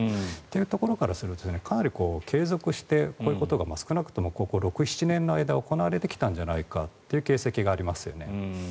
というところからするとかなり継続してこういうことが少なくともここ６７年の間行われてきたんじゃないかという形跡があります。